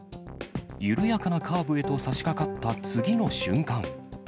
緩やかなカーブへとさしかかった次の瞬間。